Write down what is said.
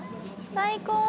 最高！